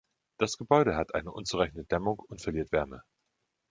Das Gebäude hat eine unzureichende Dämmung und verliert Wärme.